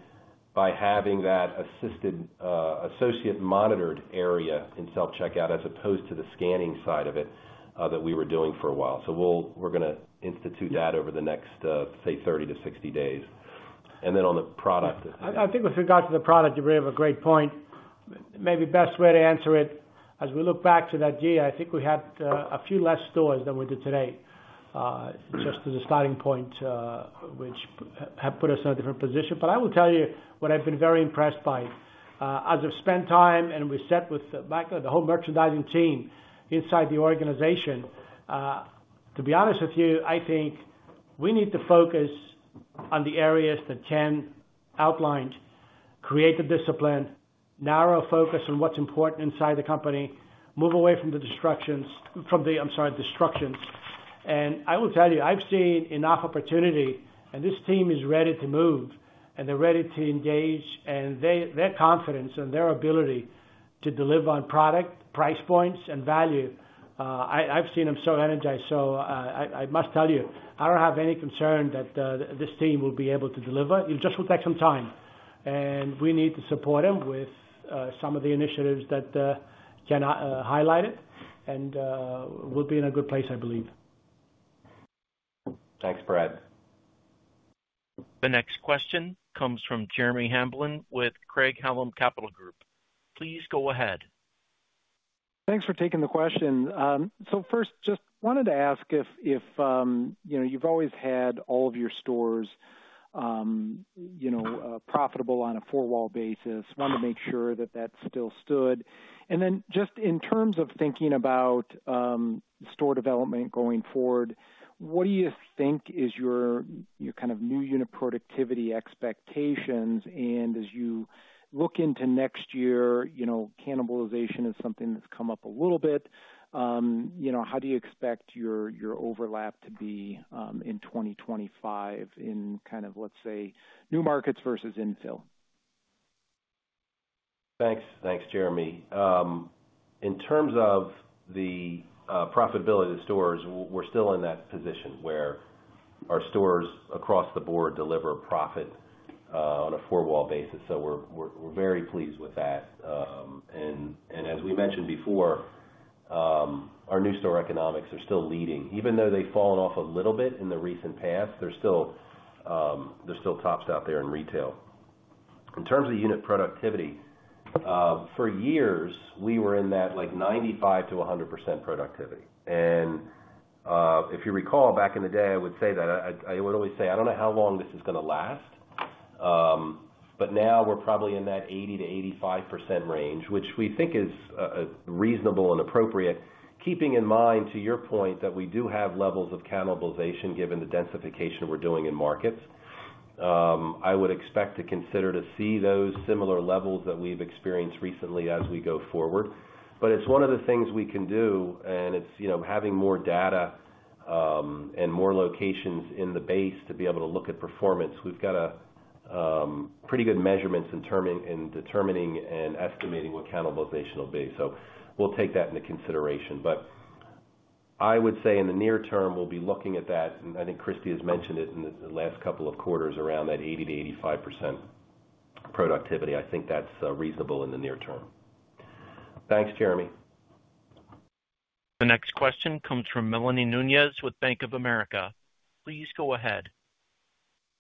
by having that assisted associate-monitored area in self-checkout, as opposed to the scanning side of it that we were doing for a while. So we're going to institute that over the next, say, 30 to 60 days. And then on the product- I think with regards to the product, you bring up a great point. Maybe best way to answer it, as we look back to that deal, I think we had a few less stores than we do today, just as a starting point, which have put us in a different position. But I will tell you what I've been very impressed by. As I've spent time and we sat with Michael, the whole merchandising team inside the organization, to be honest with you, I think we need to focus on the areas that Ken outlined, create the discipline, narrow focus on what's important inside the company, move away from the distractions. I will tell you, I've seen enough opportunity, and this team is ready to move, and they're ready to engage, and their confidence and their ability to deliver on product, price points, and value. I've seen them so energized. So, I must tell you, I don't have any concern that this team will be able to deliver. It just will take some time, and we need to support them with some of the initiatives that Ken highlighted, and we'll be in a good place, I believe. Thanks, Brad. The next question comes from Jeremy Hamblin with Craig-Hallum Capital Group. Please go ahead. Thanks for taking the question. So first, just wanted to ask if you know, you've always had all of your stores you know profitable on a four-wall basis. Wanted to make sure that that still stood. And then, just in terms of thinking about store development going forward, what do you think is your kind of new unit productivity expectations? And as you look into next year, you know, cannibalization is something that's come up a little bit. You know, how do you expect your overlap to be in twenty twenty-five in kind of, let's say, new markets versus infill? Thanks. Thanks, Jeremy. In terms of the profitability of the stores, we're still in that position where our stores across the board deliver a profit on a four-wall basis. So we're very pleased with that. And as we mentioned before, our new store economics are still leading. Even though they've fallen off a little bit in the recent past, they're still tops out there in retail. In terms of unit productivity, for years, we were in that, like, 95%-100% productivity. And if you recall, back in the day, I would say that I would always say, "I don't know how long this is gonna last." But now we're probably in that 80%-85% range, which we think is reasonable and appropriate. Keeping in mind, to your point, that we do have levels of cannibalization, given the densification we're doing in markets. I would expect to consider to see those similar levels that we've experienced recently as we go forward. It's one of the things we can do, and it's, you know, having more data and more locations in the base to be able to look at performance. We've got a pretty good measurements in determining and estimating what cannibalization will be. So we'll take that into consideration. I would say in the near term, we'll be looking at that, and I think Kristy has mentioned it in the last couple of quarters, around that 80%-85% productivity. I think that's reasonable in the near term. Thanks, Jeremy. The next question comes from Melanie Nunez with Bank of America. Please go ahead.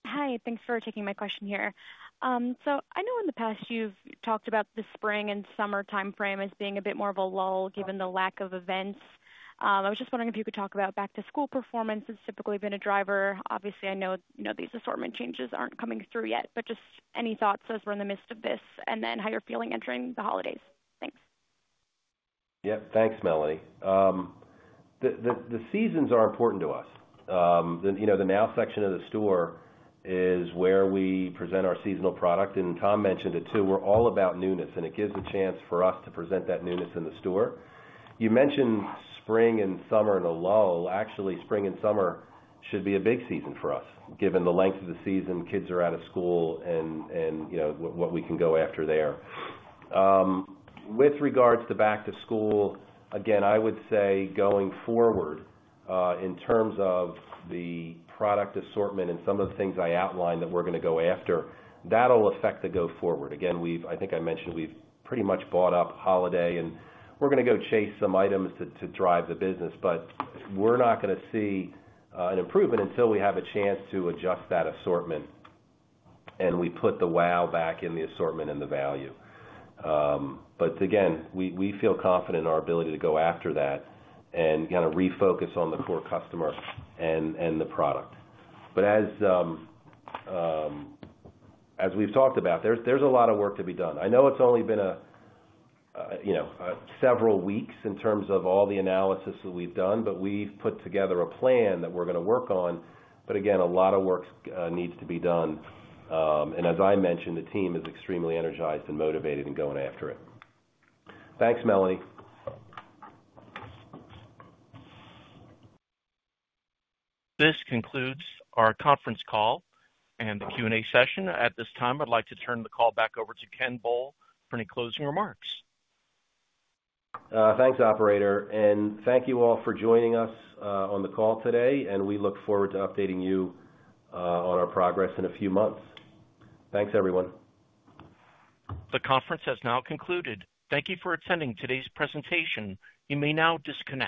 Hi, thanks for taking my question here. So I know in the past you've talked about the spring and summer timeframe as being a bit more of a lull, given the lack of events. I was just wondering if you could talk about back-to-school performance. It's typically been a driver. Obviously, I know, you know, these assortment changes aren't coming through yet, but just any thoughts as we're in the midst of this, and then how you're feeling entering the holidays? Thanks. Yeah. Thanks, Melanie. The seasons are important to us. You know, the now section of the store is where we present our seasonal product, and Tom mentioned it, too. We're all about newness, and it gives a chance for us to present that newness in the store. You mentioned spring and summer and a lull. Actually, spring and summer should be a big season for us, given the length of the season, kids are out of school and you know, what we can go after there. With regards to back to school, again, I would say going forward, in terms of the product assortment and some of the things I outlined that we're gonna go after, that'll affect the go forward. Again, we've. I think I mentioned, we've pretty much bought up holiday, and we're gonna go chase some items to drive the business, but we're not gonna see an improvement until we have a chance to adjust that assortment, and we put the wow back in the assortment and the value. But again, we feel confident in our ability to go after that and kind of refocus on the core customer and the product. But as we've talked about, there's a lot of work to be done. I know it's only been a you know several weeks in terms of all the analysis that we've done, but we've put together a plan that we're gonna work on. But again, a lot of work needs to be done. And as I mentioned, the team is extremely energized and motivated and going after it. Thanks, Melanie. This concludes our conference call and the Q&A session. At this time, I'd like to turn the call back over to Ken Bull for any closing remarks. Thanks, operator, and thank you all for joining us on the call today, and we look forward to updating you on our progress in a few months. Thanks, everyone. The conference has now concluded. Thank you for attending today's presentation. You may now disconnect.